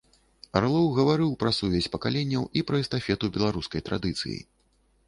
Арлоў гаварыў пра сувязь пакаленняў і пра эстафету беларускай традыцыі.